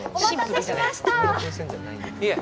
いえ。